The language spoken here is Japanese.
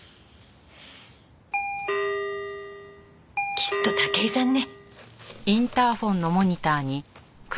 きっと武井さんね。